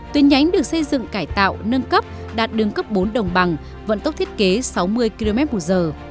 tuyến nhánh được xây dựng cải tạo nâng cấp đạt đường cấp bốn đồng bằng vận tốc thiết kế sáu mươi km một giờ